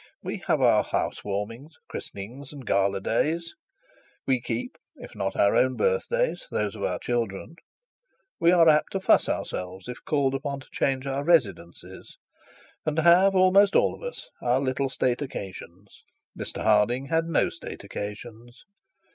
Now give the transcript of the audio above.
We have housewarmings, christenings, and gala days; we keep, if not our own birthdays, those of our children; we are apt to fuss ourselves, if called upon to change our residences, and have, almost all of us, our little state occasions. Mr Harding, had no state occasions.